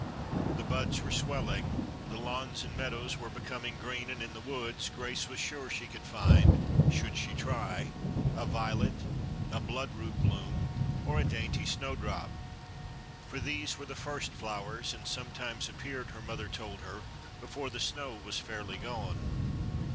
The buds were swelling, the lawns and meadows were becoming green, and in the woods Grace was sure she could find, should she try, a violet, a bloodroot bloom, or a dainty snowdrop. For these were the first flowers, and sometimes appeared, her mother told her, before the snow was fairly gone.